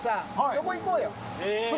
そこ行こうよ。